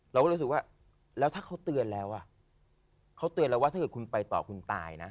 เราก็รู้สึกว่าแล้วถ้าเขาเตือนแล้วอ่ะเขาเตือนแล้วว่าถ้าเกิดคุณไปต่อคุณตายนะ